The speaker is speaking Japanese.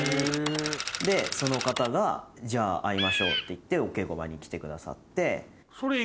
でその方がじゃあ会いましょうっていってお稽古場に来てくださって。